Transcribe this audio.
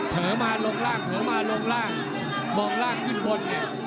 เถอะมาลงร่างหัวมาลงร่างมองร่างขึ้นบนเนี่ย